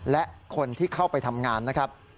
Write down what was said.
และคนที่เข้าไปทำงานนะครับ